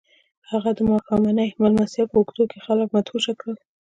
هغه د ماښامنۍ مېلمستیا په اوږدو کې خلک مدهوشه کړل